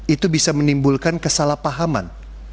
itu bisa menimbulkan kesalahpahaman